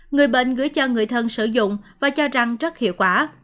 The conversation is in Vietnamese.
người bệnh gửi cho người thân sử dụng và cho rằng rất hiệu quả